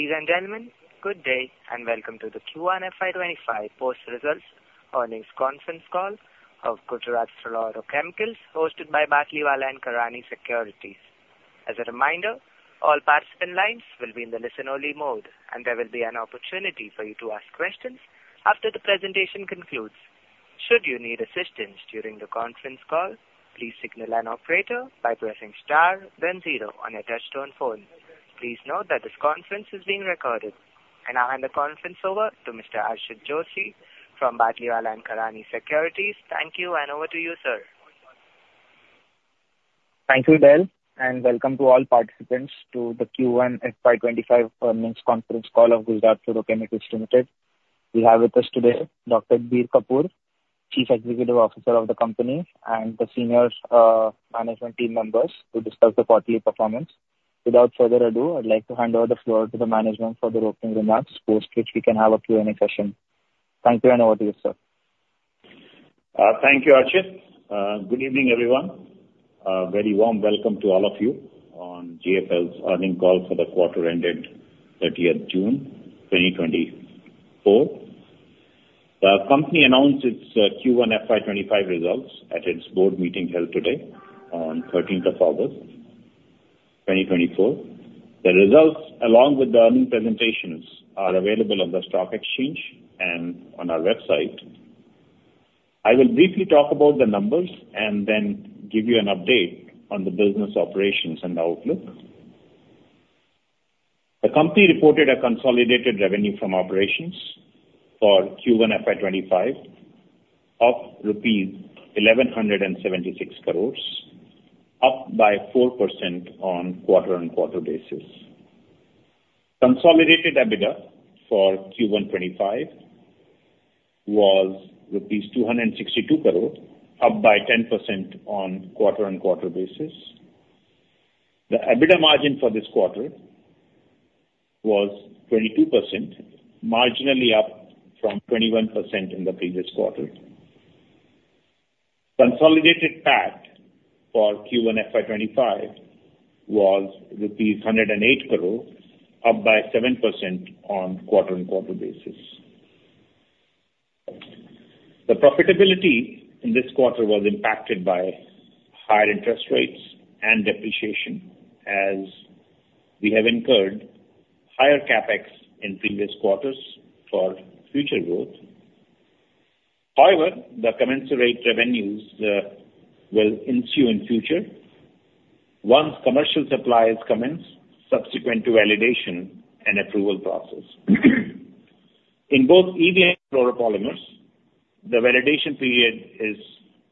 ...Ladies and gentlemen, good day, and welcome to the Q1 FY25 post-results earnings conference call of Gujarat Fluorochemicals, hosted by Batlivala & Karani Securities. As a reminder, all participant lines will be in the listen-only mode, and there will be an opportunity for you to ask questions after the presentation concludes. Should you need assistance during the conference call, please signal an operator by pressing star, then zero on your touchtone phone. Please note that this conference is being recorded. I now hand the conference over to Mr. Archit Joshi from Batlivala & Karani Securities. Thank you, and over to you, sir. Thank you, Belle, and welcome to all participants to the Q1 FY25 earnings conference call of Gujarat Fluorochemicals Limited. We have with us today Bir Kapoor, Chief Executive Officer of the company, and the senior management team members to discuss the quarterly performance. Without further ado, I'd like to hand over the floor to the management for the opening remarks, post which we can have a Q&A session. Thank you, and over to you, sir. Thank you, Archit. Good evening, everyone. A very warm welcome to all of you on GFL's earnings call for the quarter ended 30th June 2024. The company announced its Q1 FY25 results at its board meeting held today on 13th of August 2024. The results, along with the earnings presentations, are available on the stock exchange and on our website. I will briefly talk about the numbers and then give you an update on the business operations and outlook. The company reported a consolidated revenue from operations for Q1 FY25 of rupees 1,176 crore, up by 4% on quarter-on-quarter basis. Consolidated EBITDA for Q1 25 was rupees 262 crore, up by 10% on quarter-on-quarter basis. The EBITDA margin for this quarter was 22%, marginally up from 21% in the previous quarter. Consolidated PAT for Q1 FY 2025 was rupees 108 crore, up by 7% on quarter-on-quarter basis. The profitability in this quarter was impacted by higher interest rates and depreciation, as we have incurred higher CapEx in previous quarters for future growth. However, the commensurate revenues will ensue in future once commercial supplies commence subsequent to validation and approval process. In both EV and fluoropolymers, the validation period is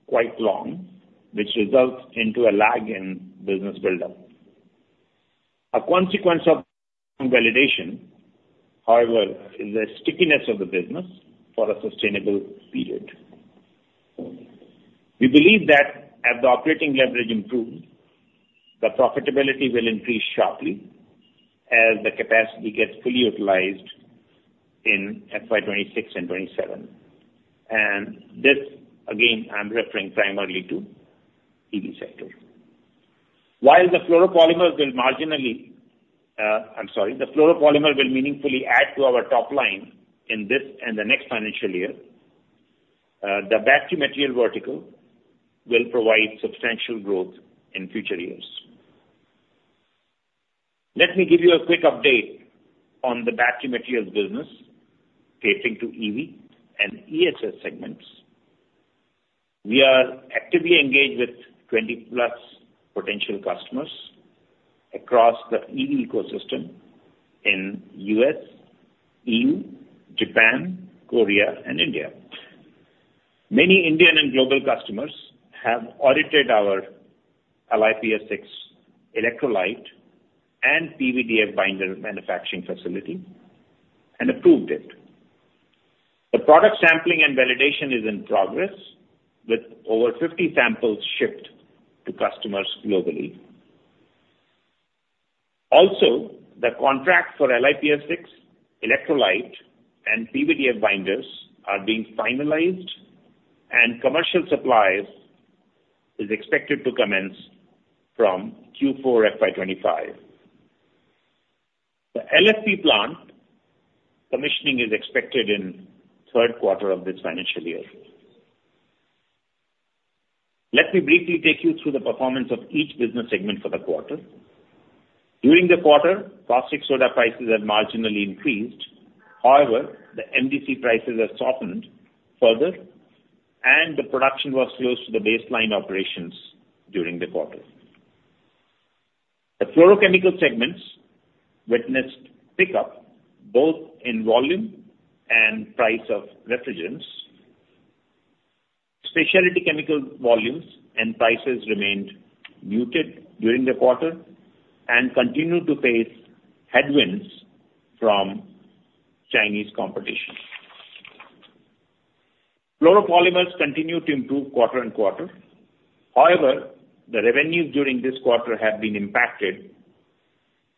quite long, which results into a lag in business buildup. A consequence of validation, however, is the stickiness of the business for a sustainable period. We believe that as the operating leverage improves, the profitability will increase sharply as the capacity gets fully utilized in FY 2026 and 2027, and this, again, I'm referring primarily to EV sector. While the fluoropolymers will marginally... I'm sorry, the fluoropolymer will meaningfully add to our top line in this and the next financial year, the battery material vertical will provide substantial growth in future years. Let me give you a quick update on the battery materials business catering to EV and ESS segments. We are actively engaged with 20+ potential customers across the EV ecosystem in US, EU, Japan, Korea and India. Many Indian and global customers have audited our LiPF6 electrolyte and PVDF binder manufacturing facility and approved it. The product sampling and validation is in progress, with over 50 samples shipped to customers globally. Also, the contract for LiPF6 electrolyte and PVDF binders are being finalized, and commercial supplies is expected to commence from Q4 FY2025. The LFP plant commissioning is expected in third quarter of this financial year. Let me briefly take you through the performance of each business segment for the quarter. During the quarter, caustic soda prices have marginally increased. However, the MDC prices have softened further, and the production was close to the baseline operations during the quarter. The fluorochemical segments witnessed pickup both in volume and price of refrigerants. Specialty chemical volumes and prices remained muted during the quarter and continued to face headwinds from Chinese competition. Fluoropolymers continue to improve quarter and quarter. However, the revenues during this quarter have been impacted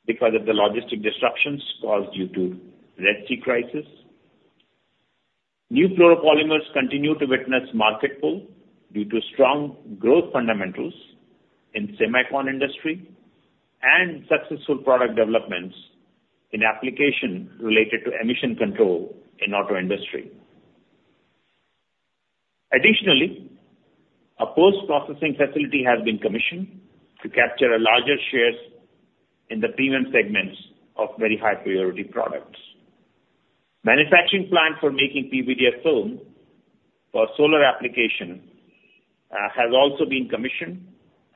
because of the logistic disruptions caused due to Red Sea crisis. New fluoropolymers continue to witness market pull due to strong growth fundamentals in semicon industry and successful product developments in application related to emission control in auto industry. Additionally, a post-processing facility has been commissioned to capture a larger shares in the premium segments of very high purity products. Manufacturing plan for making PVDF film for solar application has also been commissioned,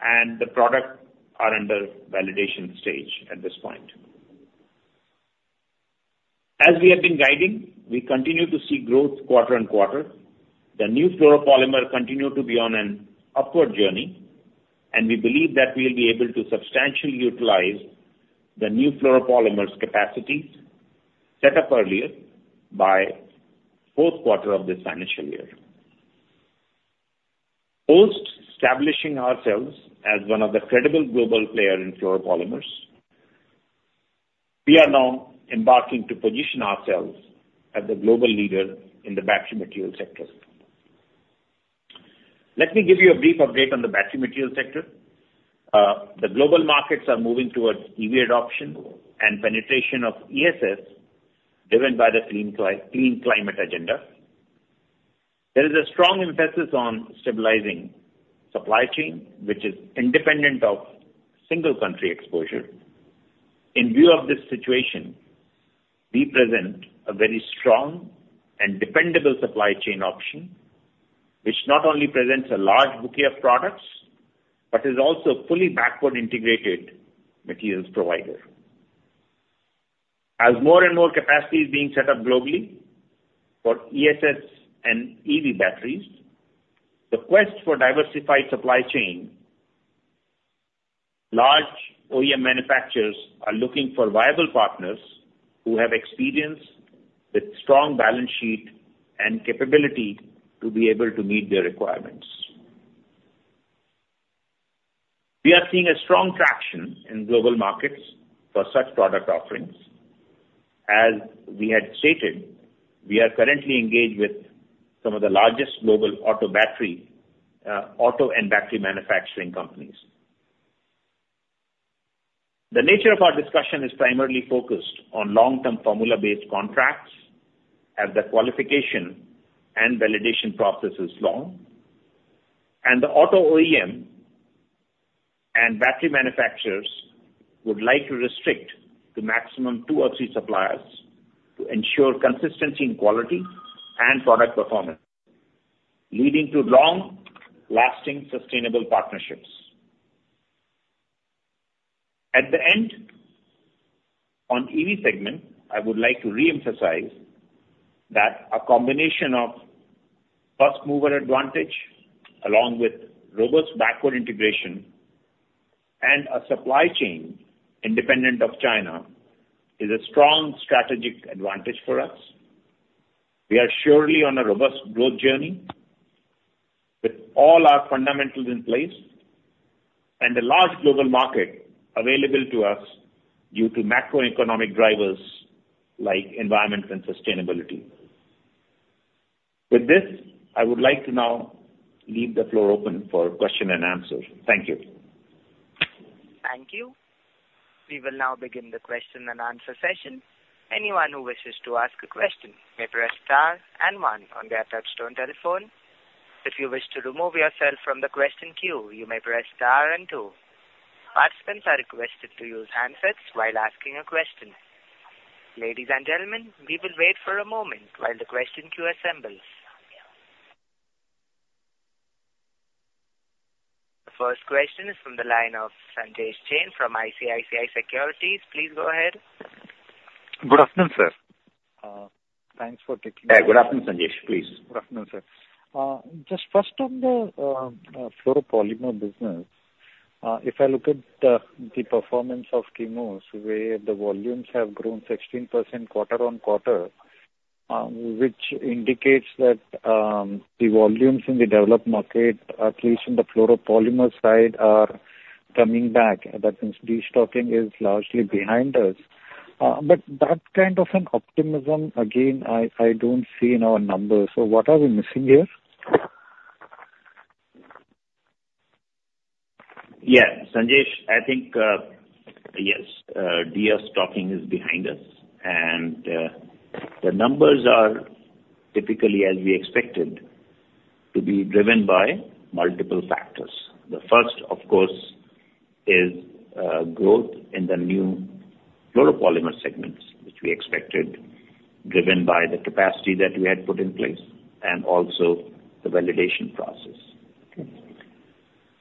and the products are under validation stage at this point. As we have been guiding, we continue to see growth quarter and quarter. The new fluoropolymers continue to be on an upward journey, and we believe that we'll be able to substantially utilize the new fluoropolymers capacities set up earlier by fourth quarter of this financial year. Post establishing ourselves as one of the credible global player in fluoropolymers, we are now embarking to position ourselves as the global leader in the battery material sector. Let me give you a brief update on the battery material sector. The global markets are moving towards EV adoption and penetration of ESS, driven by the clean climate agenda. There is a strong emphasis on stabilizing supply chain, which is independent of single country exposure. In view of this situation, we present a very strong and dependable supply chain option, which not only presents a large bouquet of products, but is also a fully backward-integrated materials provider. As more and more capacity is being set up globally for ESS and EV batteries, the quest for diversified supply chain, large OEM manufacturers are looking for viable partners who have experience with strong balance sheet and capability to be able to meet their requirements. We are seeing a strong traction in global markets for such product offerings. As we had stated, we are currently engaged with some of the largest global auto battery, auto and battery manufacturing companies. The nature of our discussion is primarily focused on long-term formula-based contracts, as the qualification and validation process is long, and the auto OEM and battery manufacturers would like to restrict to maximum two or three suppliers to ensure consistency in quality and product performance, leading to long-lasting, sustainable partnerships. At the end, on EV segment, I would like to reemphasize that a combination of first mover advantage, along with robust backward integration and a supply chain independent of China, is a strong strategic advantage for us. We are surely on a robust growth journey with all our fundamentals in place and a large global market available to us due to macroeconomic drivers like environment and sustainability. With this, I would like to now leave the floor open for question and answer. Thank you. Thank you. We will now begin the question-and-answer session. Anyone who wishes to ask a question may press star and one on their touchtone telephone. If you wish to remove yourself from the question queue, you may press star and two. Participants are requested to use handsets while asking a question. Ladies and gentlemen, we will wait for a moment while the question queue assembles. The first question is from the line of Sanjesh Jain from ICICI Securities. Please go ahead. Good afternoon, sir. Thanks for taking- Good afternoon, Sanjesh. Please. Good afternoon, sir. Just first on the fluoropolymer business. If I look at the performance of Chemours, where the volumes have grown 16% quarter-on-quarter, which indicates that the volumes in the developed market, at least on the fluoropolymer side, are coming back. That means destocking is largely behind us. But that kind of an optimism again, I don't see in our numbers. So what are we missing here? Yeah, Sanjesh, I think yes, destocking is behind us, and the numbers are typically as we expected, to be driven by multiple factors. The first, of course, is growth in the new fluoropolymers segments, which we expected, driven by the capacity that we had put in place and also the validation process.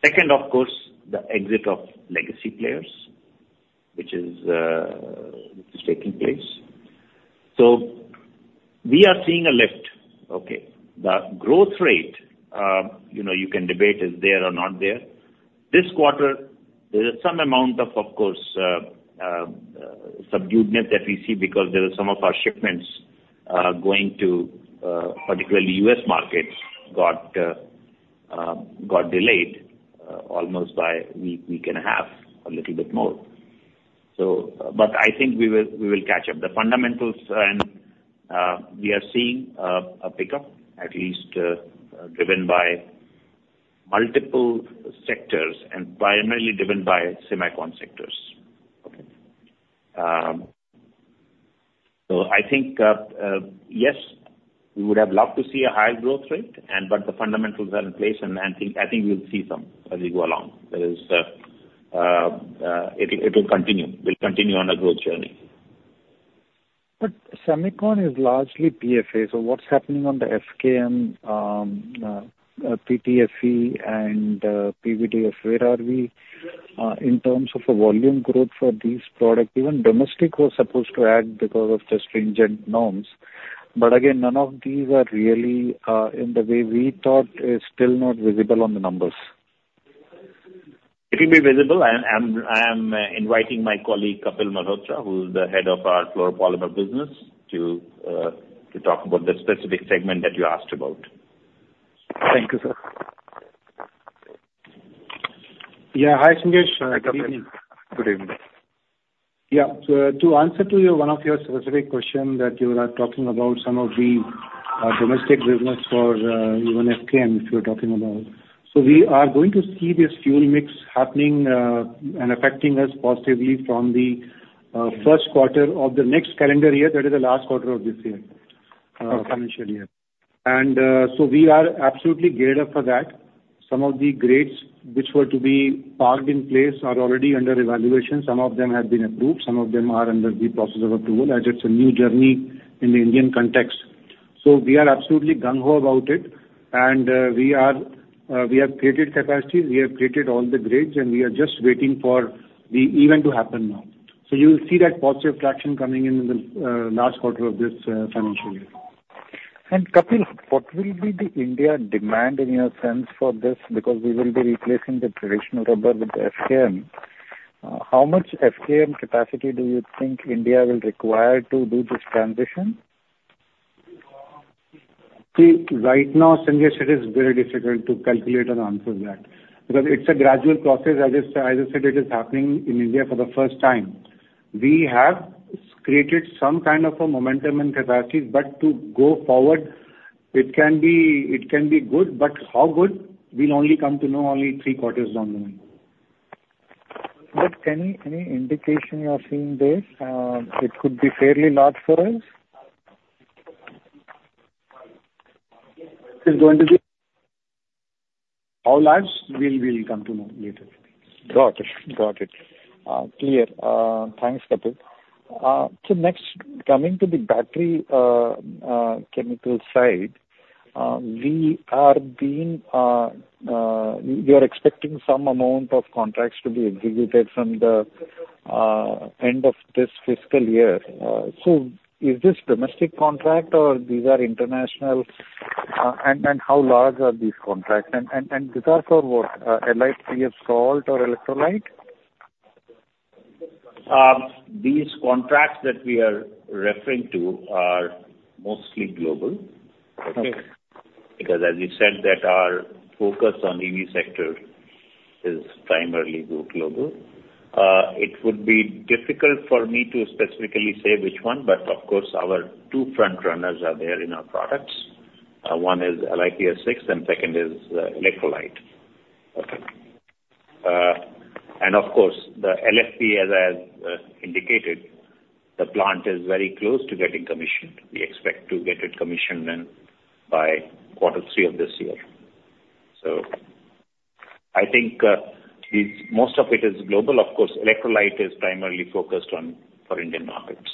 Second, of course, the exit of legacy players, which is taking place. So we are seeing a lift, okay? The growth rate, you know, you can debate, is there or not there. This quarter, there is some amount of, of course, subdued net that we see because there are some of our shipments going to particularly US markets, got delayed almost by a week, a week and a half, a little bit more. So, but I think we will catch up. The fundamentals, and we are seeing a pickup, at least driven by multiple sectors and primarily driven by semicon sectors. Okay. So I think, yes, we would have loved to see a higher growth rate and but the fundamentals are in place, and I think, I think we'll see some as we go along. That is, it'll, it will continue. We'll continue on our growth journey. But semicon is largely PFA, so what's happening on the FKM, PTFE and PVDF? Where are we in terms of the volume growth for these products? Even domestic was supposed to add because of the stringent norms. But again, none of these are really in the way we thought, is still not visible on the numbers. It will be visible, and I am inviting my colleague, Kapil Malhotra, who is the head of our fluoropolymer business, to talk about the specific segment that you asked about. Thank you, sir. Yeah, hi, Sanjesh. Good evening. Good evening. Yeah. So to answer to you one of your specific question, that you are talking about some of the, domestic business for, even FKM, if you're talking about. So we are going to see this fuel mix happening, and affecting us positively from the, first quarter of the next calendar year, that is the last quarter of this year, financial year. And, so we are absolutely geared up for that. Some of the grades which were to be parked in place are already under evaluation. Some of them have been approved, some of them are under the process of approval, as it's a new journey in the Indian context. So we are absolutely gung ho about it, and, we are, we have created capacities, we have created all the grades, and we are just waiting for the event to happen now. So you will see that positive traction coming in in the last quarter of this financial year. Kapil, what will be the India demand, in your sense, for this? Because we will be replacing the traditional rubber with the FKM. How much FKM capacity do you think India will require to do this transition? See, right now, Sanjesh, it is very difficult to calculate and answer that, because it's a gradual process. As I, as I said, it is happening in India for the first time. We have created some kind of a momentum and capacity, but to go forward, it can be, it can be good, but how good? We'll only come to know only three quarters down the line. But any, any indication you are seeing there, it could be fairly large for us? It's going to be how large? We'll, we'll come to know later. Got it. Got it. Clear. Thanks, Kapil. So next, coming to the battery chemical side, we are expecting some amount of contracts to be executed from the end of this fiscal year. So is this domestic contract or these are international? And these are for what? LFP or salt or electrolyte? These contracts that we are referring to are mostly global. Okay. Because as you said, that our focus on EV sector is primarily go global. It would be difficult for me to specifically say which one, but of course, our two front runners are there in our products. One is LiPF6 and second is electrolyte. Okay. Of course, the LFP, as I have indicated, the plant is very close to getting commissioned. We expect to get it commissioned in by quarter three of this year. So I think it's most of it is global. Of course, electrolyte is primarily focused on for Indian markets.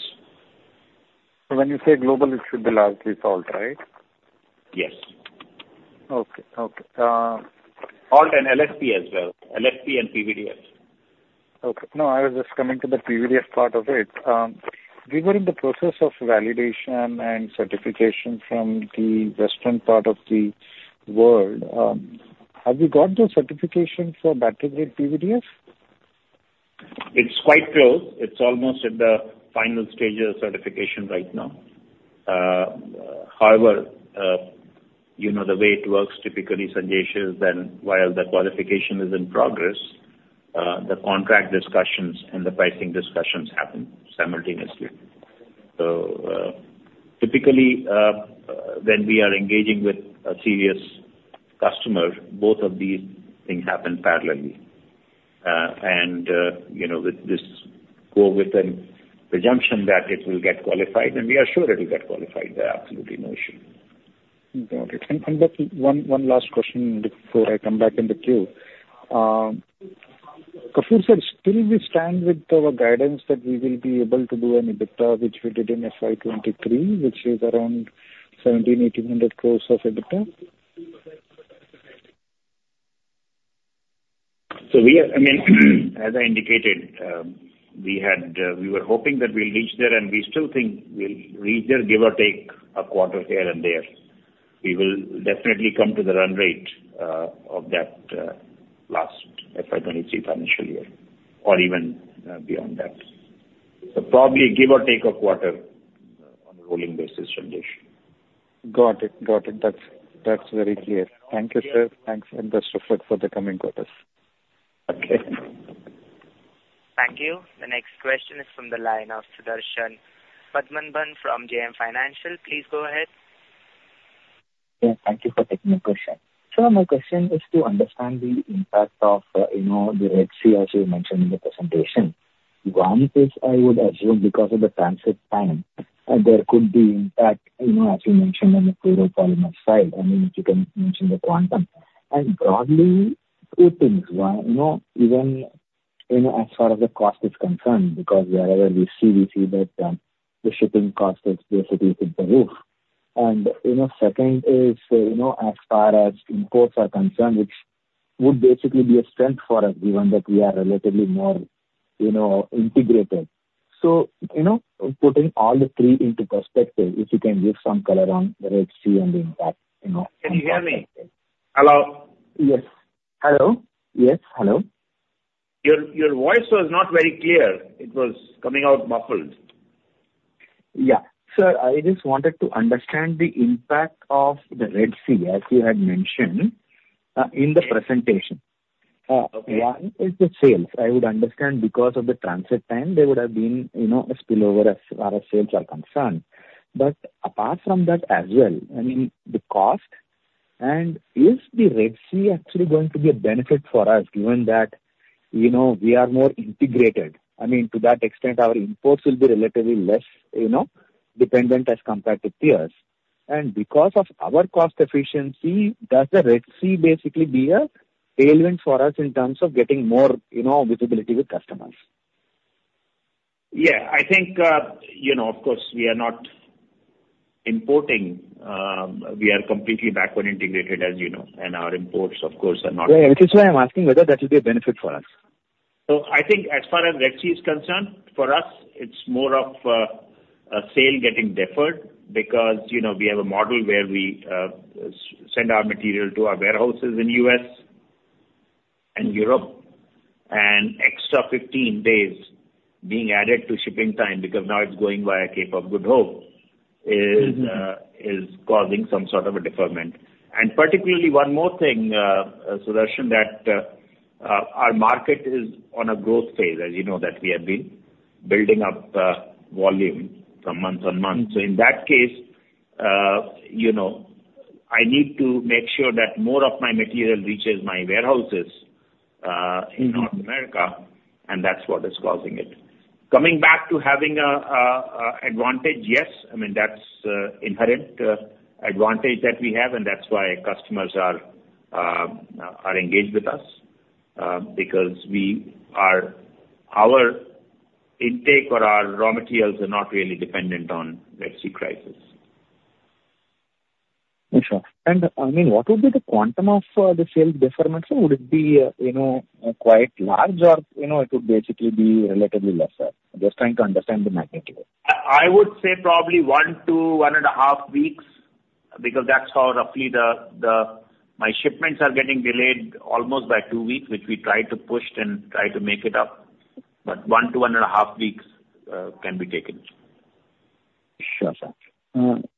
So when you say global, it should be largely salt, right? Yes. Okay. Okay, Salt and LFP as well. LFP and PVDF. Okay. No, I was just coming to the PVDF part of it. We were in the process of validation and certification from the western part of the world. Have you got the certification for battery-grade PVDF? It's quite close. It's almost at the final stages of certification right now. However, you know, the way it works, typically, Sanjesh, is then while the qualification is in progress, the contract discussions and the pricing discussions happen simultaneously. So, typically, when we are engaging with a serious customer, both of these things happen parallelly. And, you know, with this go with the presumption that it will get qualified, and we are sure it will get qualified. There are absolutely no issue. Got it. And just one last question before I come back in the queue. Kapoor said, still we stand with our guidance that we will be able to do an EBITDA, which we did in FY 2023, which is around 1,700-1,800 crore of EBITDA? So we are I mean, as I indicated, we had, we were hoping that we'll reach there, and we still think we'll reach there, give or take a quarter here and there. We will definitely come to the run rate, of that, last FY 2023 financial year or even, beyond that. So probably give or take a quarter, on a rolling basis should be.... Got it, got it. That's, that's very clear. Thank you, sir. Thanks, and best of luck for the coming quarters. Okay. Thank you. The next question is from the line of Sudarshan Padmanabhan from JM Financial. Please go ahead. Yeah, thank you for taking my question. Sir, my question is to understand the impact of, you know, the Red Sea, as you mentioned in the presentation. One is, I would assume because of the transit time, there could be impact, you know, as you mentioned on the fluoropolymer side, I mean, if you can mention the quantum. And broadly, two things: One, you know, even, you know, as far as the cost is concerned, because wherever we see, we see that, the shipping cost is basically through the roof. And, you know, second is, you know, as far as imports are concerned, which would basically be a strength for us, given that we are relatively more, you know, integrated. So, you know, putting all the three into perspective, if you can give some color on the Red Sea and the impact, you know- Can you hear me? Hello. Yes. Hello? Yes, hello. Your voice was not very clear. It was coming out muffled. Yeah. Sir, I just wanted to understand the impact of the Red Sea, as you had mentioned, in the presentation. Uh, okay. One is the sales. I would understand because of the transit time, there would have been, you know, a spillover as far as sales are concerned. But apart from that as well, I mean, the cost, and is the Red Sea actually going to be a benefit for us, given that, you know, we are more integrated? I mean, to that extent, our imports will be relatively less, you know, dependent as compared to peers. And because of our cost efficiency, does the Red Sea basically be a tailwind for us in terms of getting more, you know, visibility with customers? Yeah. I think, you know, of course, we are not importing, we are completely backward integrated, as you know, and our imports, of course, are not- Yeah, which is why I'm asking whether that will be a benefit for us. So I think as far as Red Sea is concerned, for us, it's more of a sale getting deferred because, you know, we have a model where we send our material to our warehouses in U.S. and Europe, and extra 15 days being added to shipping time, because now it's going via Cape of Good Hope, is- Mm-hmm... is causing some sort of a deferment. And particularly, one more thing, Sudarshan, that our market is on a growth phase, as you know, that we have been building up volume from month on month. Mm-hmm. In that case, you know, I need to make sure that more of my material reaches my warehouses. Mm-hmm... in North America, and that's what is causing it. Coming back to having an advantage, yes, I mean, that's an inherent advantage that we have, and that's why customers are engaged with us, because we are—our intake or our raw materials are not really dependent on Red Sea crisis. Sure. And, I mean, what would be the quantum of, the sales deferment? Would it be, you know, quite large or, you know, it would basically be relatively lesser? Just trying to understand the magnitude. I would say probably 1-1.5 weeks, because that's how roughly my shipments are getting delayed almost by 2 weeks, which we tried to push and try to make it up. But 1-1.5 weeks can be taken. Sure, sir.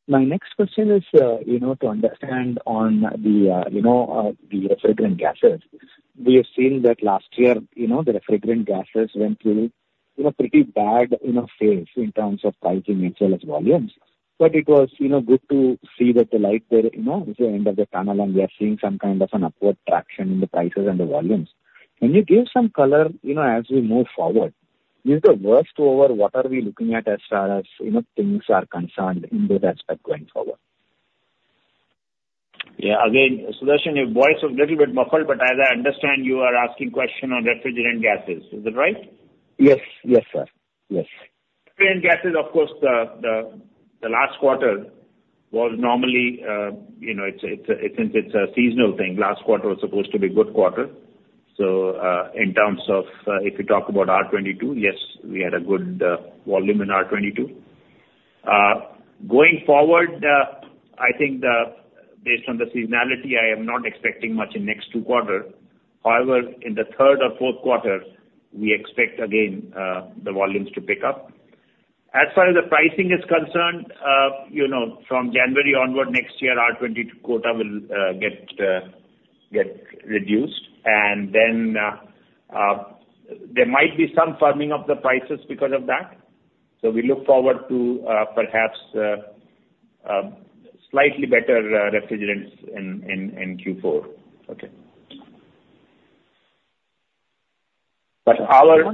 My next question is, you know, to understand on the, you know, the refrigerant gases. We have seen that last year, you know, the refrigerant gases went through, you know, pretty bad, you know, phase in terms of pricing as well as volumes. But it was, you know, good to see that the light there, you know, it's the end of the tunnel, and we are seeing some kind of an upward traction in the prices and the volumes. Can you give some color, you know, as we move forward, is the worst over? What are we looking at as far as, you know, things are concerned in this aspect going forward? Yeah. Again, Sudarshan, your voice is a little bit muffled, but as I understand, you are asking question on refrigerant gases. Is that right? Yes. Yes, sir. Yes. Refrigerant gases, of course, last quarter was normally, you know, it's a seasonal thing, last quarter was supposed to be good quarter. So, in terms of, if you talk about R22, yes, we had a good volume in R22. Going forward, I think, based on the seasonality, I am not expecting much in next two quarter. However, in the third or fourth quarter, we expect again the volumes to pick up. As far as the pricing is concerned, you know, from January onward next year, R22 quota will get reduced, and then there might be some firming of the prices because of that. So we look forward to perhaps slightly better refrigerants in Q4. Okay. But our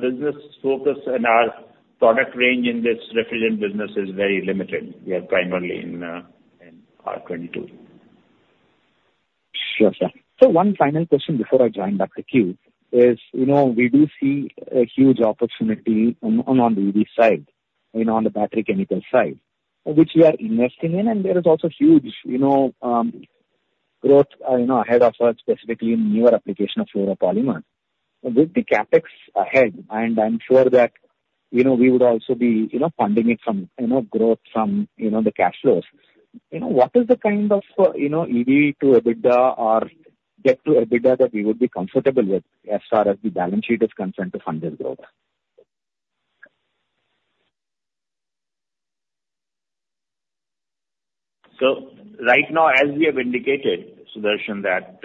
business focus and our product range in this refrigerant business is very limited. We are primarily in R22. Sure, sir. So one final question before I join back the queue is, you know, we do see a huge opportunity on the EV side, you know, on the battery chemical side, which we are investing in, and there is also huge, you know, growth, you know, ahead of us, specifically in newer application of fluoropolymer. With the CapEx ahead, and I'm sure that, you know, we would also be, you know, funding it from, you know, growth from, you know, the cash flows. You know, what is the kind of, you know, EV to EBITDA or debt to EBITDA that we would be comfortable with as far as the balance sheet is concerned to fund this growth?... So right now, as we have indicated, Sudarshan, that,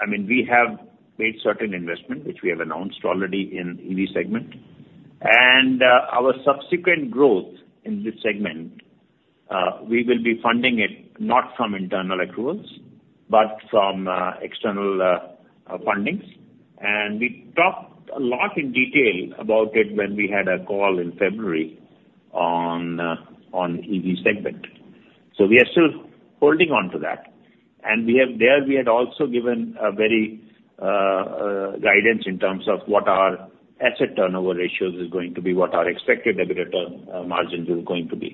I mean, we have made certain investment, which we have announced already in EV segment. And, our subsequent growth in this segment, we will be funding it not from internal accruals, but from, external fundings. And we talked a lot in detail about it when we had a call in February on, on EV segment. So we are still holding on to that, and we have-- there we had also given a very, guidance in terms of what our asset turnover ratios is going to be, what our expected EBITDA, margins is going to be.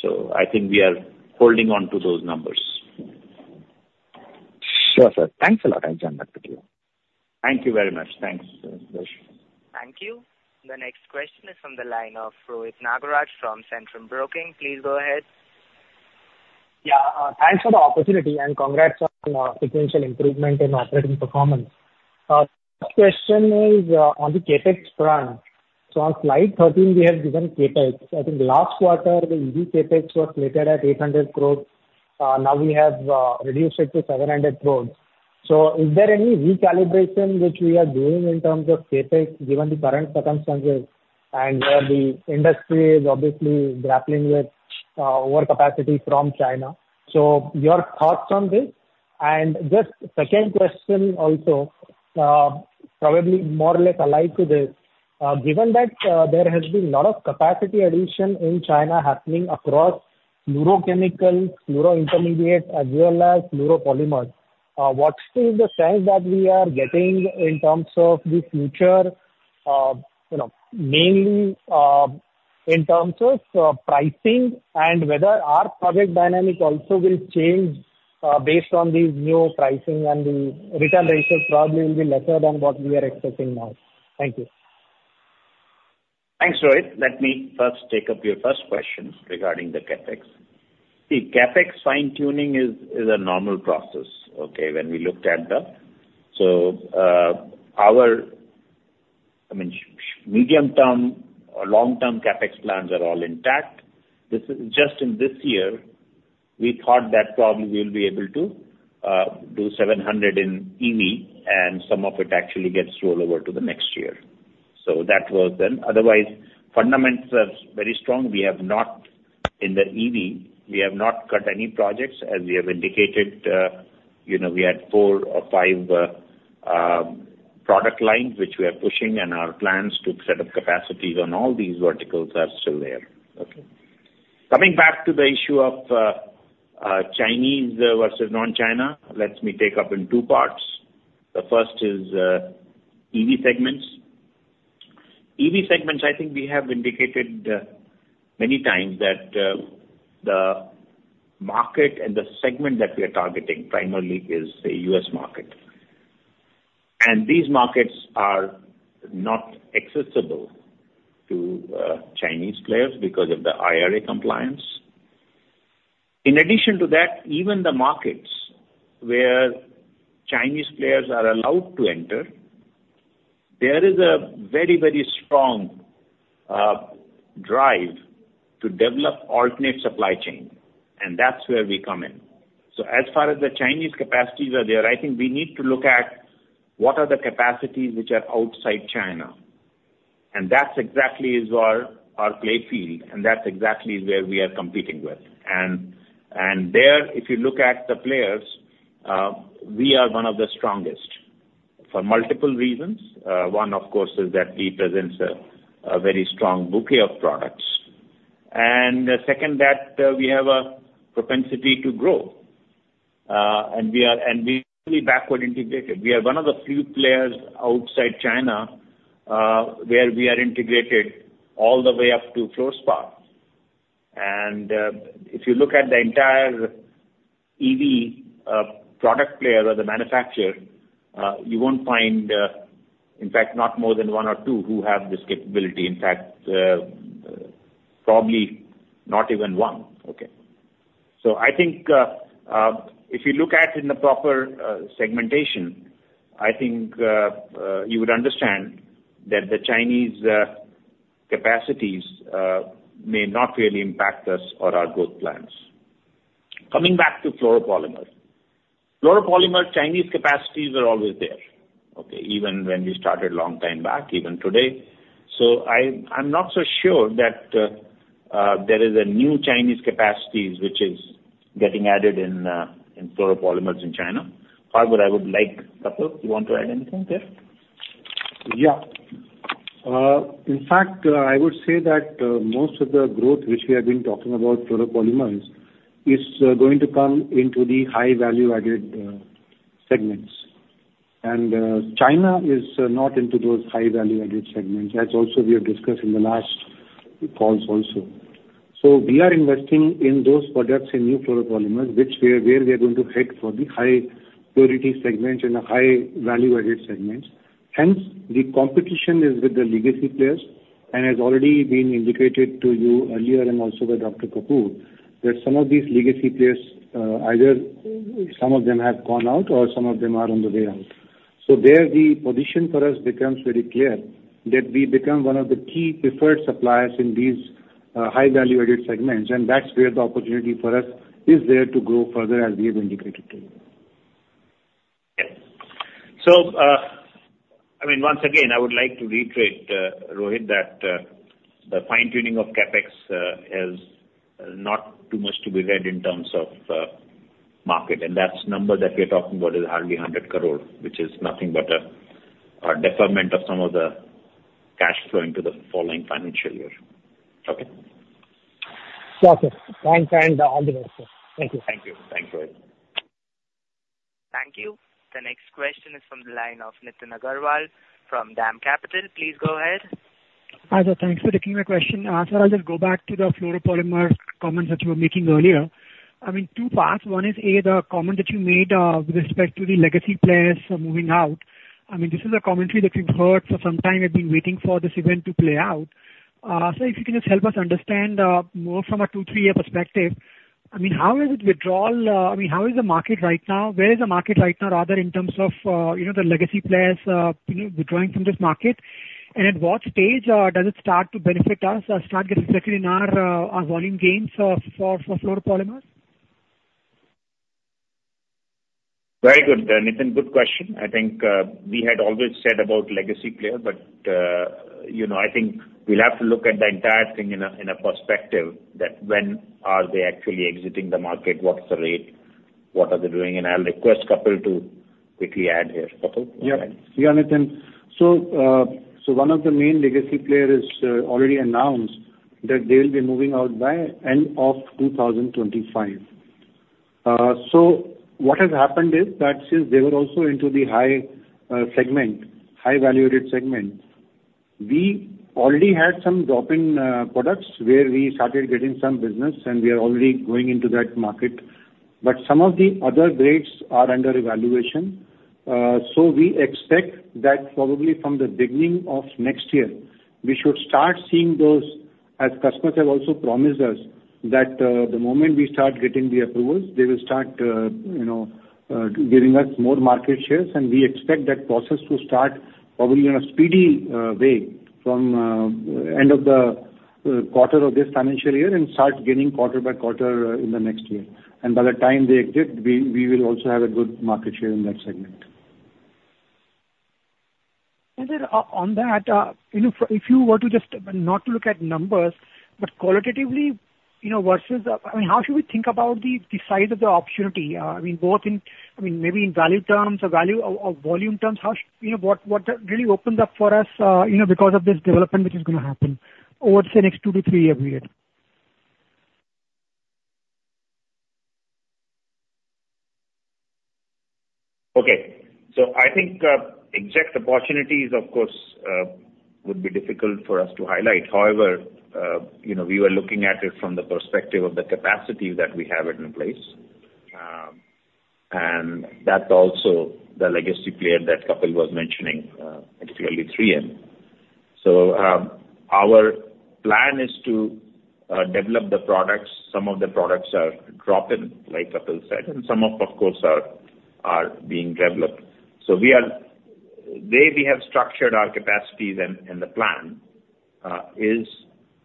So I think we are holding on to those numbers. Sure, sir. Thanks a lot, I'll join back with you. Thank you very much. Thanks, Sudarshan. Thank you. The next question is from the line of Rohit Nagraj from Centrum Broking. Please go ahead. Yeah, thanks for the opportunity, and congrats on sequential improvement in operating performance. First question is on the CapEx front. So on slide 13, we have given CapEx. I think last quarter, the EV CapEx was slated at 800 crore. Now we have reduced it to 700 crore. So is there any recalibration which we are doing in terms of CapEx, given the current circumstances, and where the industry is obviously grappling with overcapacity from China? So your thoughts on this. And just second question also, probably more or less aligned to this. Given that, there has been a lot of capacity addition in China happening across fluorochemical, fluoro intermediates, as well as fluoropolymers, what is the sense that we are getting in terms of the future, you know, mainly, in terms of, pricing, and whether our project dynamic also will change, based on these new pricing and the return ratios probably will be lesser than what we are expecting now? Thank you. Thanks, Rohit. Let me first take up your first question regarding the CapEx. The CapEx fine-tuning is a normal process, okay, when we looked at the. So, our, I mean, short-medium-term or long-term CapEx plans are all intact. This is just in this year, we thought that probably we'll be able to do 700 in EV, and some of it actually gets rolled over to the next year. So that was then. Otherwise, fundamentals are very strong. We have not, in the EV, we have not cut any projects. As we have indicated, you know, we had four or five product lines which we are pushing, and our plans to set up capacities on all these verticals are still there. Okay. Coming back to the issue of Chinese versus non-China, let me take up in two parts. The first is EV segments. EV segments, I think we have indicated many times that the market and the segment that we are targeting primarily is the U.S. market. And these markets are not accessible to Chinese players because of the IRA compliance. In addition to that, even the markets where Chinese players are allowed to enter, there is a very, very strong drive to develop alternate supply chain, and that's where we come in. So as far as the Chinese capacities are there, I think we need to look at what are the capacities which are outside China, and that's exactly is our, our play field, and that's exactly where we are competing with. And, and there, if you look at the players, we are one of the strongest for multiple reasons. One, of course, is that we present a very strong bouquet of products. And second, that we have a propensity to grow, and we are, and we backward integrated. We are one of the few players outside China, where we are integrated all the way up to fluorospecialties. And, if you look at the entire EV product player or the manufacturer, you won't find, in fact, not more than one or two who have this capability. In fact, probably not even one. Okay. So I think, if you look at in the proper segmentation, I think you would understand that the Chinese capacities may not really impact us or our growth plans. Coming back to fluoropolymers. Fluoropolymers, Chinese capacities were always there, okay? Even when we started long time back, even today. So I'm not so sure that there is a new Chinese capacities which is getting added in in fluoropolymers in China. However, I would like... Kapil, you want to add anything there? Yeah. In fact, I would say that most of the growth which we have been talking about fluoropolymers is going to come into the high value-added segments. And China is not into those high value-added segments, as also we have discussed in the last calls also. So we are investing in those products in new fluoropolymers, where we are going to head for the high purity segments and the high value-added segments. Hence, the competition is with the legacy players, and has already been indicated to you earlier and also by Bir Kapoor, that some of these legacy players either some of them have gone out or some of them are on the way out. So there the position for us becomes very clear, that we become one of the key preferred suppliers in these high value-added segments, and that's where the opportunity for us is there to grow further, as we have indicated to you. Okay. So, I mean, once again, I would like to reiterate, Rohit, that the fine-tuning of CapEx is not too much to be read in terms of market. And that's number that we are talking about, is hardly 100 crore, which is nothing but a deferment of some of the cash flowing to the following financial year. Okay. Okay. Thanks, and all the best, sir. Thank you. Thank you. Thanks, Rohit. Thank you. The next question is from the line of Nitin Agarwal from DAM Capital. Please go ahead. Hi, sir. Thanks for taking my question. So I'll just go back to the fluoropolymer comments that you were making earlier. I mean, two parts: one is, A, the comment that you made, with respect to the legacy players moving out. I mean, this is a commentary that we've heard for some time and been waiting for this event to play out. So if you can just help us understand, more from a 2-3-year perspective, I mean, how is it withdrawal, I mean, how is the market right now? Where is the market right now, rather, in terms of, you know, the legacy players, you know, withdrawing from this market? And at what stage, does it start to benefit us or start getting reflected in our, our volume gains for fluoropolymers? Very good, Nitin, good question. I think, we had always said about legacy player, but, you know, I think we'll have to look at the entire thing in a perspective that when are they actually exiting the market, what's the rate, what are they doing? And I'll request Kapil to quickly add here. Kapil, go ahead. Yeah. Yeah, Nitin. So, so one of the main legacy players already announced that they will be moving out by end of 2025. So what has happened is that since they were also into the high segment, high-value added segment, we already had some drop-in products where we started getting some business, and we are already going into that market. But some of the other grades are under evaluation. So we expect that probably from the beginning of next year, we should start seeing those, as customers have also promised us, that the moment we start getting the approvals, they will start you know giving us more market shares. We expect that process to start probably in a speedy way from end of the quarter of this financial year and start gaining quarter by quarter in the next year. By the time they exit, we will also have a good market share in that segment. And then on that, you know, if you were to just, not to look at numbers, but qualitatively, you know, versus, I mean, how should we think about the size of the opportunity, I mean, both in, I mean, maybe in value terms or value or, or volume terms, how should... You know, what really opens up for us, you know, because of this development which is gonna happen over, say, next two to three-year period? Okay. So I think exact opportunities, of course, would be difficult for us to highlight. However, you know, we were looking at it from the perspective of the capacity that we have in place. And that's also the legacy player that Kapil was mentioning, it's clearly 3M. So, our plan is to develop the products. Some of the products are drop-in, like Kapil said, and some of course are being developed. So the way we have structured our capacities and the plan is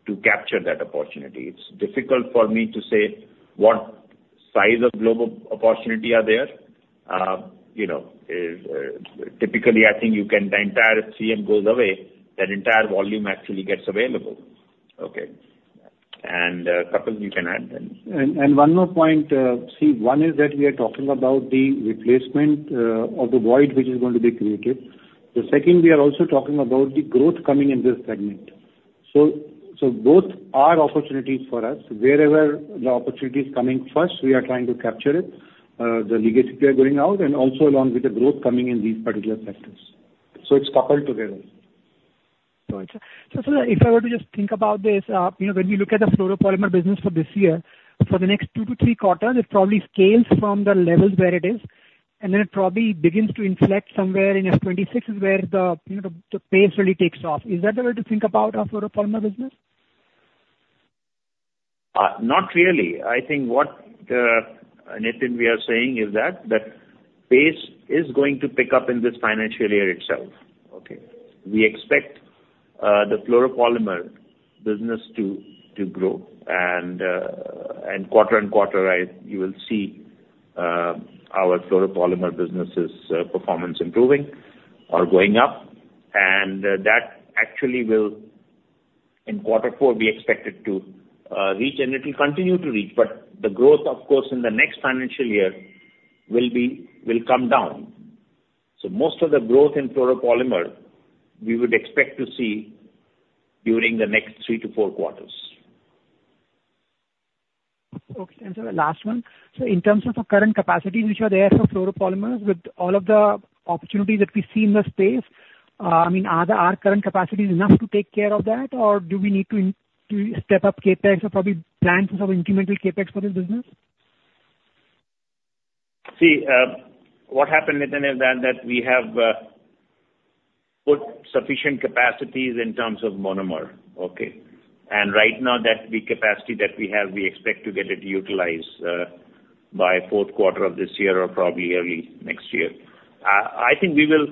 to capture that opportunity. It's difficult for me to say what size of global opportunity are there. You know, typically, I think you can, the entire 3M goes away, that entire volume actually gets available. Okay. And, Kapil, you can add then. And one more point, one is that we are talking about the replacement of the void, which is going to be created. The second, we are also talking about the growth coming in this segment. So both are opportunities for us. Wherever the opportunity is coming first, we are trying to capture it, the legacy are going out and also along with the growth coming in these particular sectors. So it's coupled together. Got you. So, so if I were to just think about this, you know, when we look at the fluoropolymer business for this year, for the next two to three quarters, it probably scales from the levels where it is, and then it probably begins to inflect somewhere in FY 2026, is where the, you know, the pace really takes off. Is that the way to think about our fluoropolymer business? Not really. I think what, Nitin, we are saying is that the pace is going to pick up in this financial year itself. Okay? We expect, the fluoropolymer business to grow, and quarter and quarter, right, you will see, our fluoropolymer business's performance improving or going up. And, that actually will, in quarter four, be expected to reach, and it will continue to reach. But the growth, of course, in the next financial year will be, will come down. So most of the growth in fluoropolymer, we would expect to see during the next three to four quarters. Okay. And so the last one: so in terms of the current capacities which are there for fluoropolymers, with all of the opportunities that we see in the space, I mean, are the current capacities enough to take care of that, or do we need to step up CapEx or probably plan for some incremental CapEx for this business? See, what happened, Nitin, is that we have put sufficient capacities in terms of monomer, okay? And right now, the capacity that we have, we expect to get it utilized by fourth quarter of this year or probably early next year. I think we will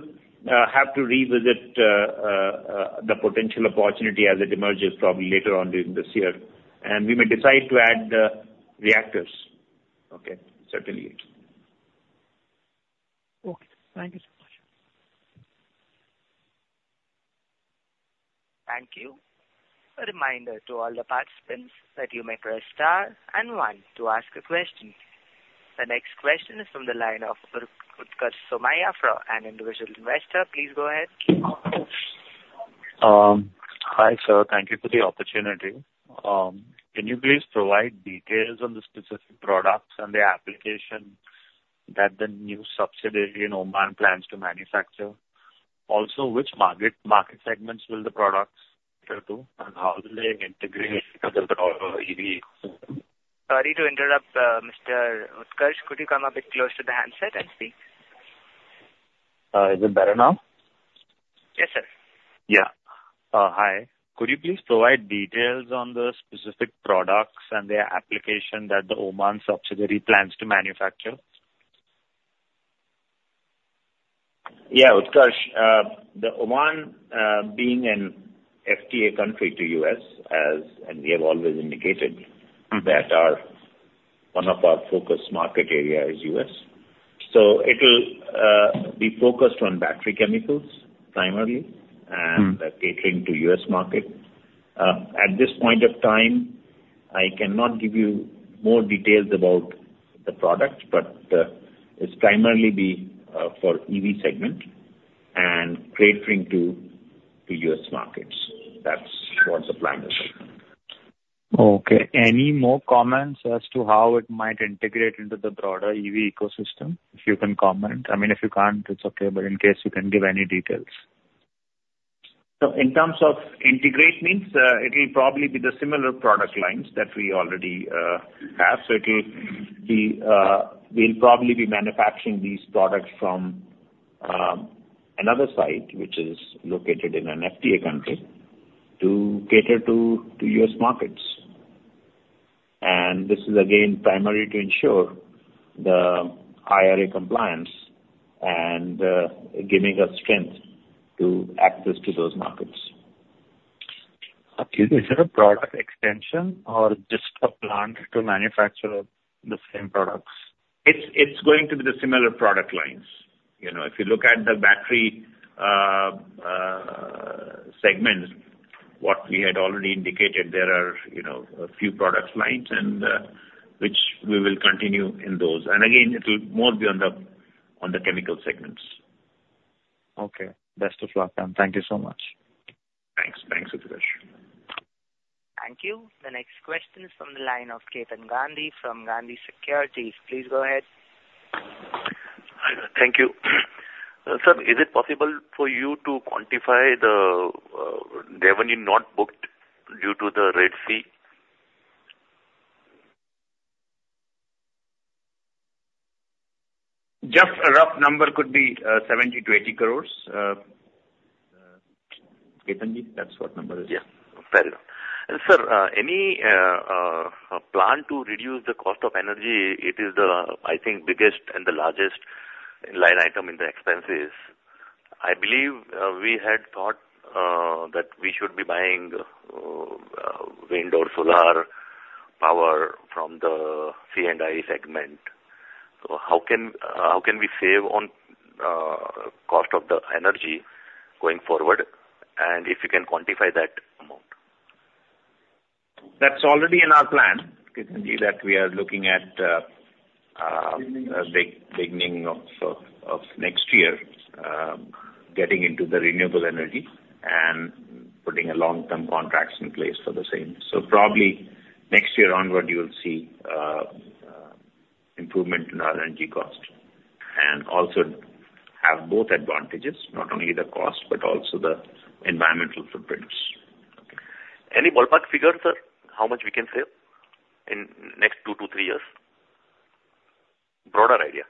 have to revisit the potential opportunity as it emerges probably later on during this year, and we may decide to add the reactors. Okay, certainly. Okay, thank you so much. Thank you. A reminder to all the participants that you may press star and one to ask a question. The next question is from the line of Utkarsh Somaiya from an individual investor. Please go ahead. Hi, sir. Thank you for the opportunity. Can you please provide details on the specific products and the application that the new subsidiary in Oman plans to manufacture? Also, which market, market segments will the products cater to, and how will they integrate into the broader EV? Sorry to interrupt, Mr. Utkarsh. Could you come a bit closer to the handset and speak? Is it better now? Yes, sir. Yeah. Hi. Could you please provide details on the specific products and their application that the Oman subsidiary plans to manufacture? Yeah, Utkarsh, the Oman, being an FTA country to U.S., and we have always indicated. Mm-hmm. That our, one of our focus market area is U.S. So it'll be focused on battery chemicals, primarily. Mm. And catering to U.S. market. At this point of time, I cannot give you more details about the product, but, it's primarily be for EV segment and catering to U.S. markets. That's what the plan is right now. Okay. Any more comments as to how it might integrate into the broader EV ecosystem? If you can comment. I mean, if you can't, it's okay, but in case you can give any details. So in terms of integrated means, it'll probably be the similar product lines that we already have. So it'll be, we'll probably be manufacturing these products from another site, which is located in an FTA country, to cater to U.S. markets. And this is again, primarily to ensure the IRA compliance and giving us strength to access to those markets. Okay. Is it a product extension or just a plant to manufacture the same products? It's going to be the similar product lines. You know, if you look at the battery segment, what we had already indicated, there are, you know, a few product lines and which we will continue in those. And again, it'll more be on the chemical segments. Okay. Best of luck then. Thank you so much. Thanks. Thanks, Utkarsh. Thank you. The next question is from the line of Ketan Gandhi from Gandhi Securities. Please go ahead. Hi, thank you. Sir, is it possible for you to quantify the revenue not booked due to the Red Sea? Just a rough number could be 70-80 crores. Ketan, that's what number is. Yeah. Fair enough. And sir, any plan to reduce the cost of energy? It is the, I think, biggest and the largest line item in the expenses. I believe we had thought that we should be buying wind or solar power from the C&I segment. So how can, how can we save on cost of the energy going forward, and if you can quantify that amount? That's already in our plan, Ketan, that we are looking at. Beginning. Beginning of next year, getting into the renewable energy and putting a long-term contracts in place for the same. So probably next year onward, you will see improvement in our energy cost, and also have both advantages, not only the cost, but also the environmental footprints. Okay. Any ballpark figures, sir, how much we can save in next 2-3 years? Broader idea.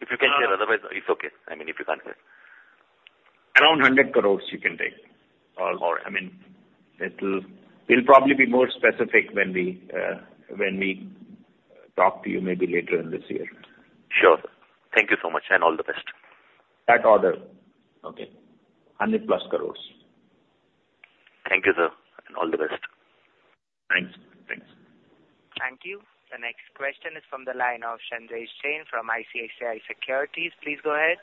If you can share, otherwise, it's okay, I mean, if you can't share. Around 100 crore, you can take. All right. Or I mean, it'll... We'll probably be more specific when we, when we talk to you maybe later in this year. Sure. Thank you so much, and all the best. That order. Okay. 100+ crores. Thank you, sir, and all the best. Thanks. Thanks. Thank you. The next question is from the line of Sanjesh Jain from ICICI Securities. Please go ahead.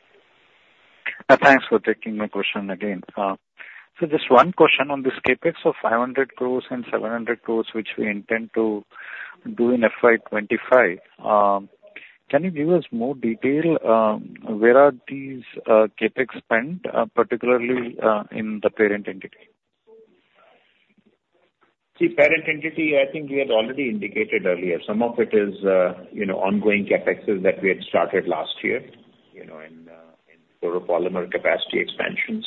Thanks for taking my question again. So just one question on this CapEx of 500 crore and 700 crore, which we intend to do in FY 2025. Can you give us more detail, where are these CapEx spent, particularly in the parent entity? See, parent entity, I think we had already indicated earlier. Some of it is, you know, ongoing CapExes that we had started last year, you know, in fluoropolymer capacity expansions.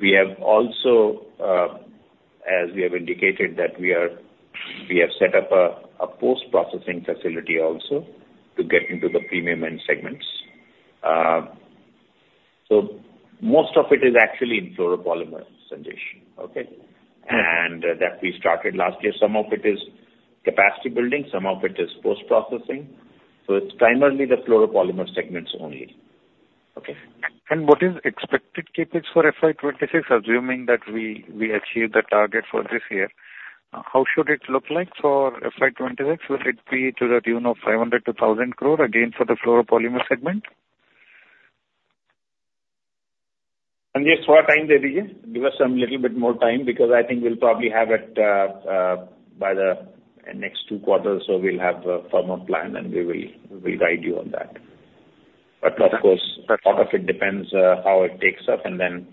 We have also, as we have indicated, that we have set up a post-processing facility also to get into the premium end segments. So most of it is actually in fluoropolymer, Sanjesh, okay? And that we started last year. Some of it is capacity building, some of it is post-processing, so it's primarily the fluoropolymer segments only. Okay? What is expected CapEx for FY 2026, assuming that we achieve the target for this year? How should it look like for FY 2026? Will it be to the tune of 500-1,000 crore, again, for the fluoropolymer segment? Sanjesh, "...", give us some little bit more time, because I think we'll probably have it by the next two quarters, so we'll have a firmer plan, and we will, we'll guide you on that. But of course, a lot of it depends how it takes up, and then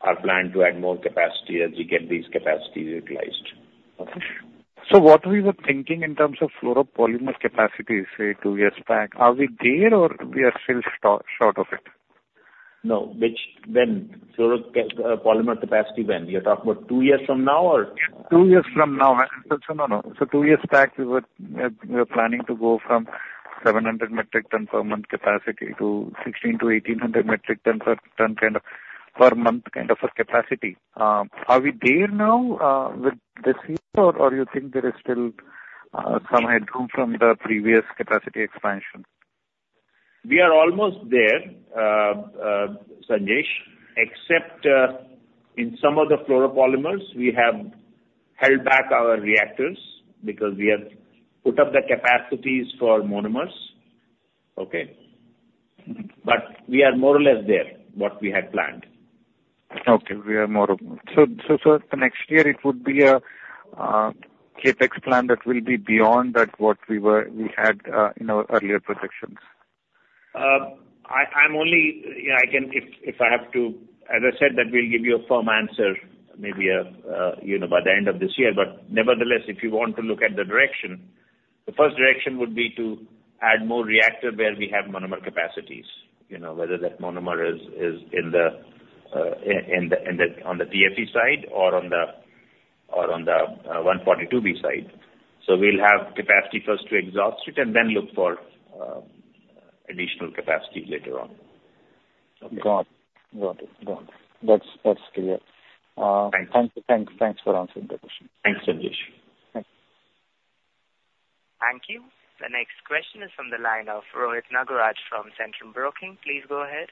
our plan to add more capacity as we get these capacities utilized. Okay? So what we were thinking in terms of fluoropolymer capacity, say, 2 years back, are we there or we are still short of it? No. Which, when? Fluoropolymer capacity, when? You're talking about two years from now, or? Two years from now. So, no, no. So two years back, we were, we were planning to go from 700 metric ton per month capacity to 1600-1800 metric ton per ton, kind of, per month, kind of a capacity. Are we there now, with this year, or, or you think there is still, some headroom from the previous capacity expansion? We are almost there, Sanjesh, except in some of the fluoropolymers, we have held back our reactors because we have put up the capacities for monomers. Okay? But we are more or less there, what we had planned. Okay, so the next year it would be a CapEx plan that will be beyond that, what we were, we had in our earlier projections. Yeah, I can, if I have to, as I said, that we'll give you a firm answer, maybe, you know, by the end of this year. But nevertheless, if you want to look at the direction, the first direction would be to add more reactor where we have monomer capacities. You know, whether that monomer is in the, in the, on the PTFE side or on the, or on the, R-142b side. So we'll have capacity first to exhaust it and then look for additional capacity later on. Got it. Got it. Got it. That's, that's clear. Thank you. Thank you. Thanks, thanks for answering the question. Thanks, Sanjesh. Thanks. Thank you. The next question is from the line of Rohit Nagraj from Centrum Broking. Please go ahead.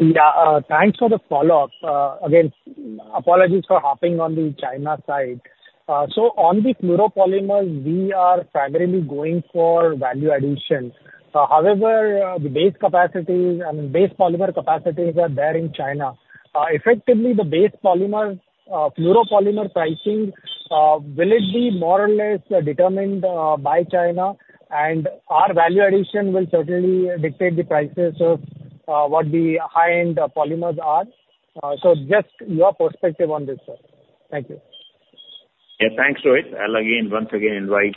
Yeah, thanks for the follow-up. Again, apologies for harping on the China side. So on the fluoropolymers, we are primarily going for value addition. However, the base capacity, I mean, base polymer capacities are there in China. Effectively, the base polymer, fluoropolymer pricing, will it be more or less determined, by China? And our value addition will certainly dictate the prices of, what the high-end polymers are. So just your perspective on this, sir. Thank you. Yeah. Thanks, Rohit. I'll again, once again invite,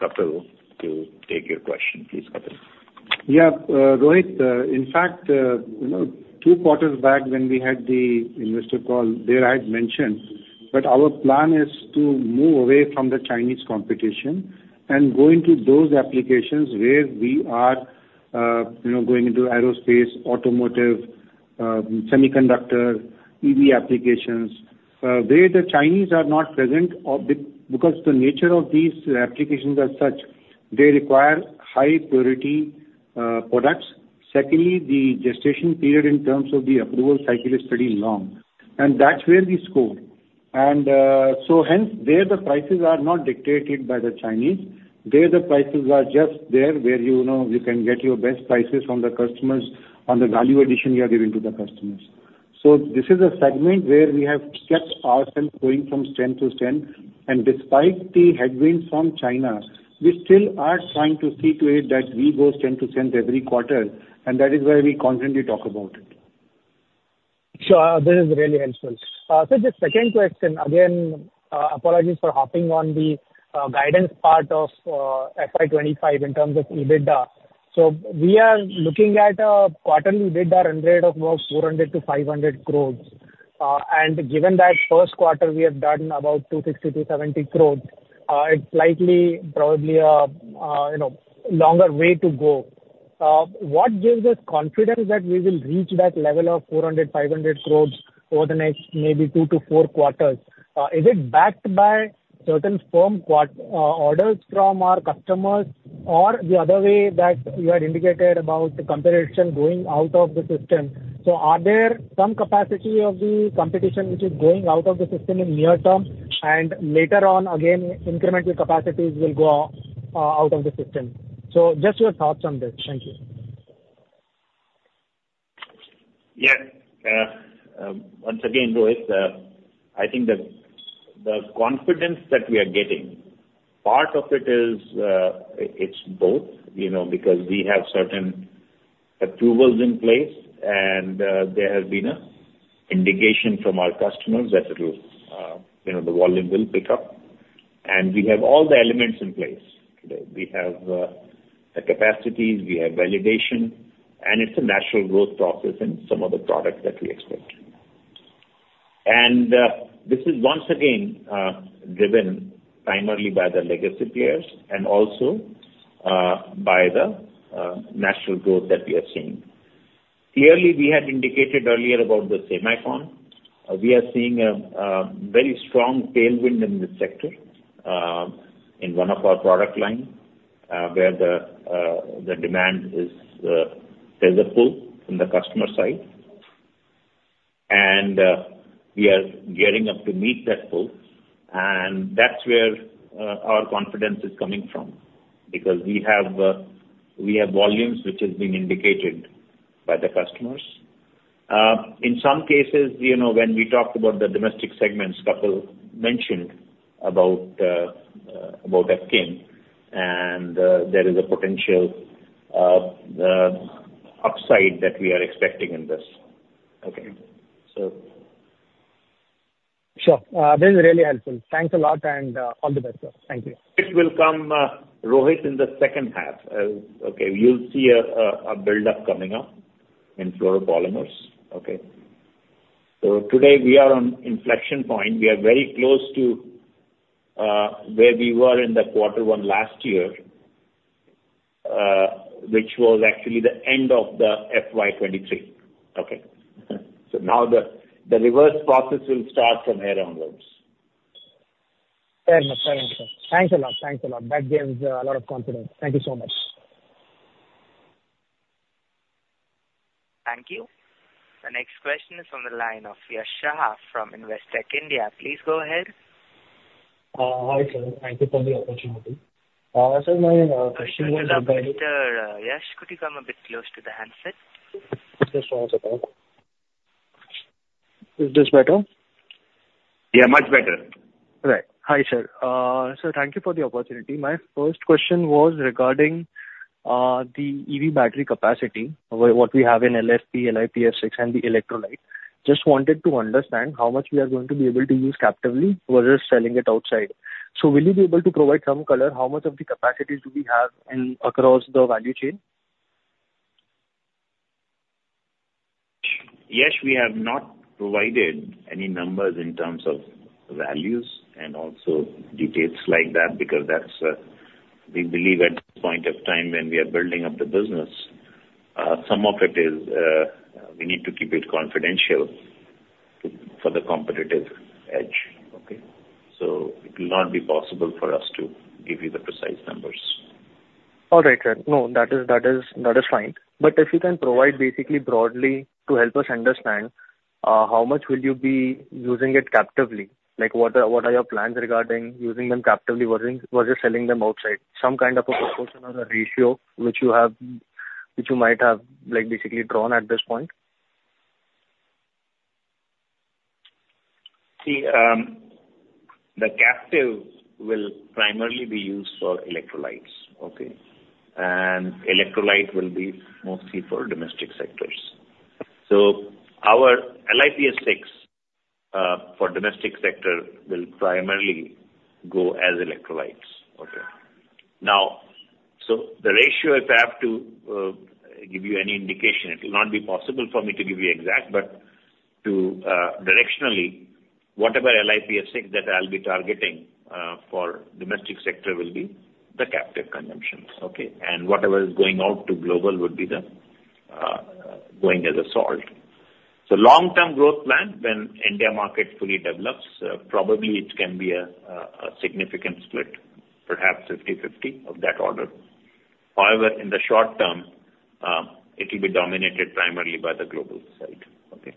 Kapil to take your question. Please, Kapil. Yeah, Rohit, in fact, you know, two quarters back when we had the investor call, there I'd mentioned that our plan is to move away from the Chinese competition and go into those applications where we are, you know, going into aerospace, automotive, semiconductor, EV applications, where the Chinese are not present or because the nature of these applications are such, they require high purity, products. Secondly, the gestation period in terms of the approval cycle is pretty long, and that's where we score. And, so hence, there the prices are not dictated by the Chinese. There, the prices are just there, where, you know, you can get your best prices from the customers on the value addition you are giving to the customers. This is a segment where we have kept ourselves going from strength to strength, and despite the headwinds from China, we still are trying to see to it that we grow strength to strength every quarter, and that is why we constantly talk about it. Sure, this is really helpful. So the second question, again, apologies for harping on the guidance part of FY 2025 in terms of EBITDA. So we are looking at a quarterly EBITDA run rate of about 400-500 crores. And given that first quarter, we have done about 260-270 crores, it's likely probably a you know, longer way to go. What gives us confidence that we will reach that level of 400-500 crores over the next maybe 2-4 quarters? Is it backed by certain firm orders from our customers, or the other way that you had indicated about the competition going out of the system? Are there some capacity of the competition which is going out of the system in near term, and later on, again, incremental capacities will go out, out of the system? Just your thoughts on this. Thank you. Yeah. Once again, Rohit, I think the confidence that we are getting, part of it is, it's both, you know, because we have certain approvals in place, and there has been an indication from our customers that it'll, you know, the volume will pick up. And we have all the elements in place. We have the capacities, we have validation, and it's a natural growth process in some of the products that we expect. This is once again driven primarily by the legacy players and also by the natural growth that we are seeing. Clearly, we had indicated earlier about the semicon. We are seeing a very strong tailwind in this sector, in one of our product line, where the demand is, there's a pull from the customer side, and we are gearing up to meet that pull. And that's where our confidence is coming from, because we have volumes which has been indicated by the customers. In some cases, you know, when we talked about the domestic segments, couple mentioned about FKM, and there is a potential upside that we are expecting in this. Okay. So- Sure. This is really helpful. Thanks a lot, and all the best, sir. Thank you. It will come, Rohit, in the second half. Okay, you'll see a build-up coming up in fluoropolymers, okay? So today we are on inflection point. We are very close to where we were in quarter one last year, which was actually the end of the FY 2023. Okay. So now the reverse process will start from here onwards. Fair enough. Fair enough, sir. Thanks a lot. Thanks a lot. That gives a lot of confidence. Thank you so much. Thank you. The next question is from the line of Yash Shah from Investec India. Please go ahead. Hi, sir. Thank you for the opportunity. Could you come up, Mr. Yash? Could you come a bit close to the handset? Just one second. Is this better? Yeah, much better. Right. Hi, sir. Sir, thank you for the opportunity. My first question was regarding the EV battery capacity, what, what we have in LFP, LiPF6, and the electrolyte. Just wanted to understand how much we are going to be able to use captively versus selling it outside. So will you be able to provide some color? How much of the capacity do we have in across the value chain? Yash, we have not provided any numbers in terms of values and also details like that, because that's, we believe at this point of time when we are building up the business, some of it is, we need to keep it confidential for the competitive edge, okay? So it will not be possible for us to give you the precise numbers. All right, sir. No, that is fine. But if you can provide basically broadly, to help us understand, how much will you be using it captively? Like, what are your plans regarding using them captively versus selling them outside? Some kind of a proportion or a ratio which you might have, like, basically drawn at this point. See, the captive will primarily be used for electrolytes, okay? And electrolyte will be mostly for domestic sectors. So our LiPF6 for domestic sector will primarily go as electrolytes. Okay. Now, so the ratio, if I have to, give you any indication, it will not be possible for me to give you exact, but to, directionally, whatever LiPF6 that I'll be targeting for domestic sector will be the captive consumptions, okay? And whatever is going out to global would be the going as a salt. So long-term growth plan, when India market fully develops, probably it can be a significant split, perhaps 50/50, of that order. However, in the short term, it will be dominated primarily by the global side. Okay.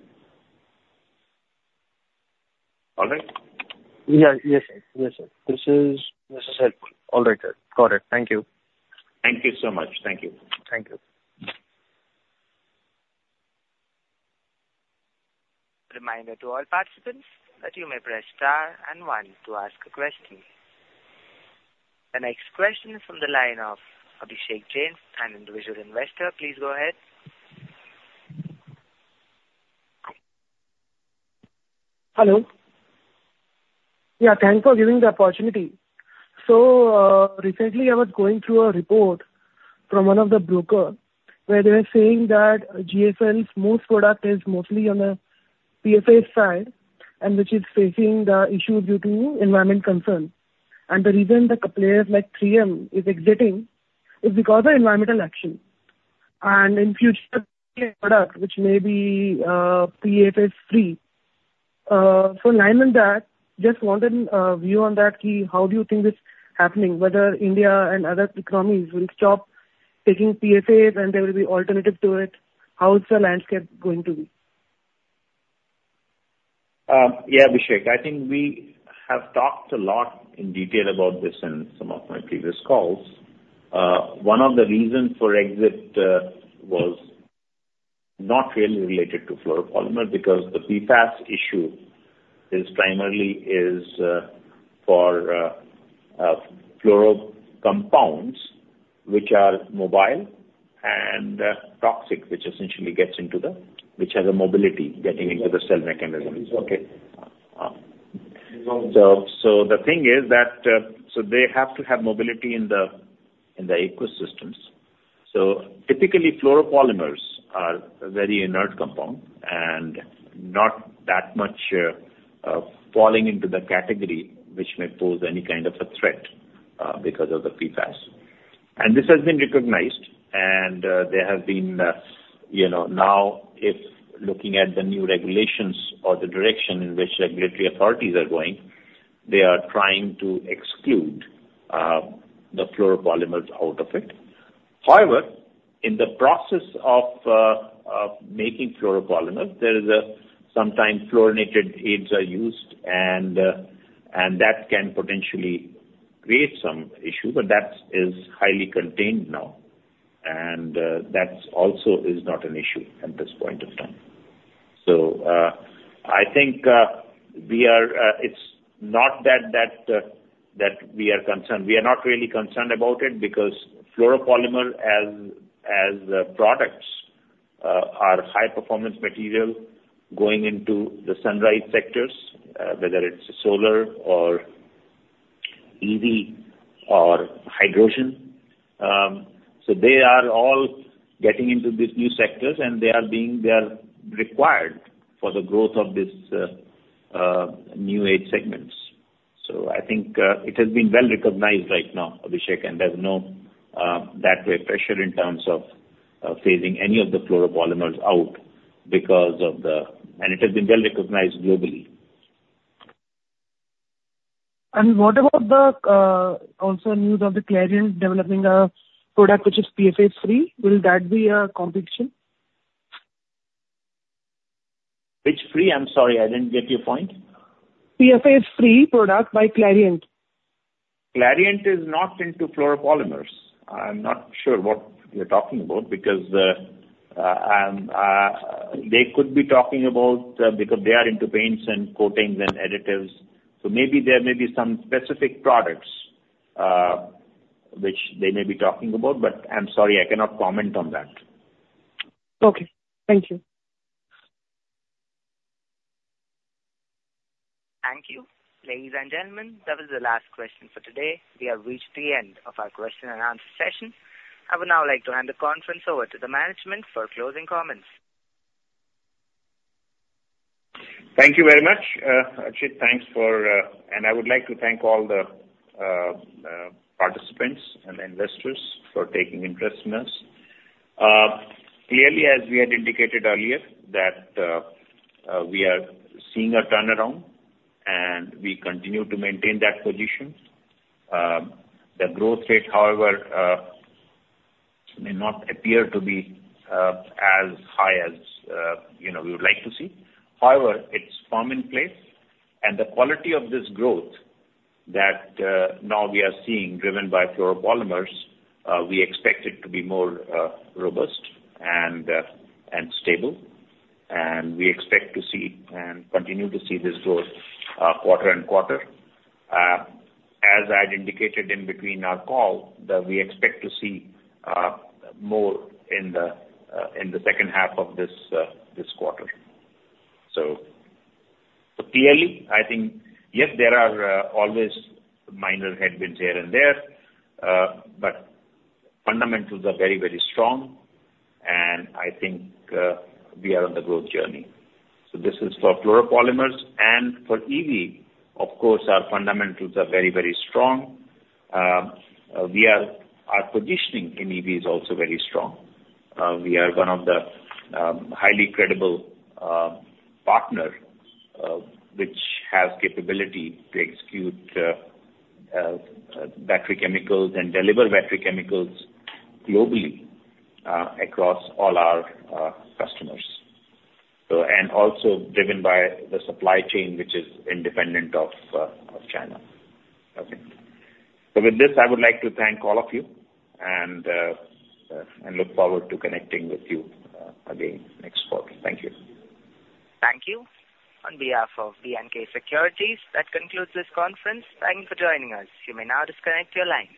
All right? Yeah. Yes, sir. Yes, sir. This is, this is helpful. All right, sir. Got it. Thank you. Thank you so much. Thank you. Thank you. Reminder to all participants that you may press Star and One to ask a question. The next question is from the line of Abhishek Jain, an individual investor. Please go ahead. Hello. Yeah, thanks for giving the opportunity. So, recently I was going through a report from one of the broker, where they were saying that GFL's most product is mostly on the PFAS side, and which is facing the issue due to environmental concern. And the reason the players like 3M is exiting is because of environmental action, and in future, products which may be PFAS-free. So in line with that, just wanted view on that, how do you think it's happening, whether India and other economies will stop taking PFAS and there will be alternative to it? How is the landscape going to be? Yeah, Abhishek, I think we have talked a lot in detail about this in some of my previous calls. One of the reasons for exit was not really related to fluoropolymer, because the PFAS issue is primarily for fluoro compounds, which are mobile and toxic, which essentially gets into the, which has a mobility getting into the cell mechanism. Okay. So the thing is that so they have to have mobility in the ecosystems. So typically, fluoropolymers are a very inert compound and not that much falling into the category, which may pose any kind of a threat because of the PFAS. And this has been recognized and, there have been, you know, now if looking at the new regulations or the direction in which regulatory authorities are going, they are trying to exclude, the fluoropolymers out of it. However, in the process of, making fluoropolymers, there is a sometimes fluorinated aids are used and, and that can potentially create some issue, but that is highly contained now, and, that's also is not an issue at this point of time. So, I think, we are... It's not that, that, that we are concerned. We are not really concerned about it, because fluoropolymer as, as products, are high performance material going into the sunrise sectors, whether it's solar or EV or hydrogen. So they are all getting into these new sectors, and they are required for the growth of this new age segments. So I think it has been well recognized right now, Abhishek, and there's no that way pressure in terms of phasing any of the fluoropolymers out because of the... And it has been well recognized globally. What about the also news of Clariant developing a product which is PFAS-free? Will that be a competition? Which free? I'm sorry, I didn't get your point. PFAS-free product by Clariant. Clariant is not into fluoropolymers. I'm not sure what you're talking about, because they could be talking about, because they are into paints and coatings and additives, so maybe there may be some specific products, which they may be talking about, but I'm sorry, I cannot comment on that. Okay. Thank you. Thank you. Ladies and gentlemen, that was the last question for today. We have reached the end of our question and answer session. I would now like to hand the conference over to the management for closing comments. Thank you very much. Archit, thanks for... And I would like to thank all the participants and investors for taking interest in us. Clearly, as we had indicated earlier, that we are seeing a turnaround, and we continue to maintain that position. The growth rate, however, may not appear to be as high as, you know, we would like to see. However, it's firm in place and the quality of this growth that now we are seeing, driven by fluoropolymers, we expect it to be more robust and stable, and we expect to see and continue to see this growth quarter and quarter. As I had indicated in between our call, that we expect to see more in the second half of this quarter. So, clearly, I think, yes, there are always minor headwinds here and there, but fundamentals are very, very strong, and I think we are on the growth journey. So this is for fluoropolymers. And for EV, of course, our fundamentals are very, very strong. We are—our positioning in EV is also very strong. We are one of the highly credible partner which has capability to execute battery chemicals and deliver battery chemicals globally across all our customers. So, and also driven by the supply chain, which is independent of of China. Okay. So with this, I would like to thank all of you and and look forward to connecting with you again next quarter. Thank you. Thank you. On behalf of B&K Securities, that concludes this conference. Thank you for joining us. You may now disconnect your line.